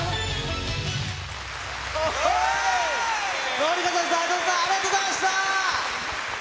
紀香さん、齊藤さん、ありがとうございました。